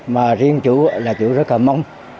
mà riêng chủ là chủ rất là mong